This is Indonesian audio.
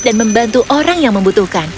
dan membantu orang yang membutuhkan